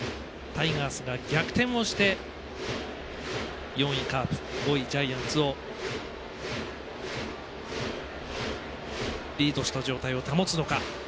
タイガースが逆転をして４位カープ５位、ジャイアンツをリードした状態を保つのか。